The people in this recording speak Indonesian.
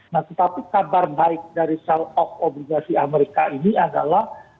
nah tetapi kabar baik dari self of obligasi amerika ini adalah